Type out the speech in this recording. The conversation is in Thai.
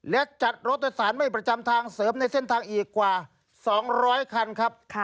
และจัดรถโดยสารไม่ประจำทางเสริมในเส้นทางอีกกว่า๒๐๐คันครับ